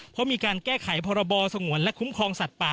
เพราะมีการแก้ไขพรบสงวนและคุ้มครองสัตว์ป่า